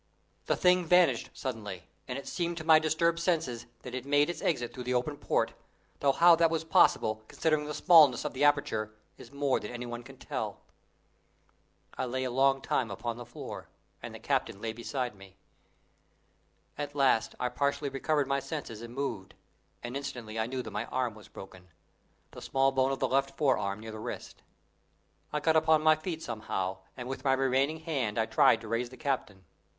The thing vanished suddenly, and it seemed to my disturbed senses that it made its exit through the open port, though how that was possible, considering the smallness of the aperture, is more than any one can tell. I lay a long time upon the floor, and the captain lay beside me. At last I partially recovered my senses and moved, and instantly I knew that my arm was broken the small bone of the left forearm near the wrist. I got upon my feet somehow, and with my remaining hand I tried to raise the captain.